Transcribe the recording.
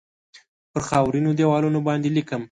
پر خاورینو دیوالونو باندې لیکم